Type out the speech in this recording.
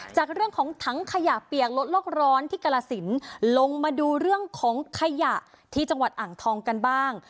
จากเรื่องของถังขยะเปียกลดโลกร้อนที่กรสินลงมาดูเรื่องของขยะที่จังหวัดอ่างทองกันบ้าง